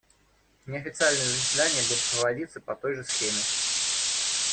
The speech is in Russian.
Неофициальные заседания будут проводиться по той же схеме.